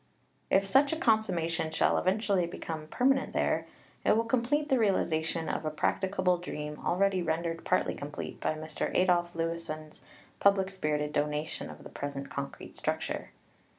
If such a consummation shall eventually become per manent there, it will complete the realization of a prac ticable dream already rendered partly complete by Mr. Adolf Lewisohn's public spirited donation of the present concrete structure.